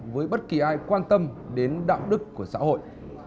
với bất kỳ ai quan tâm đến đạo đức của xã hội